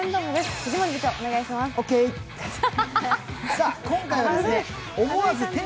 藤森部長、お願いします。